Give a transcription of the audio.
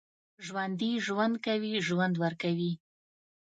ژوندي ژوند کوي، ژوند ورکوي